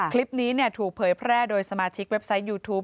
คลิปนี้ถูกเผยแพร่โดยสมาชิกเว็บไซต์ยูทูป